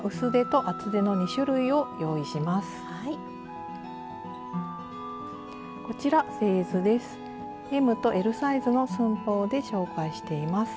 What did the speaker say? ＭとＬサイズの寸法で紹介しています。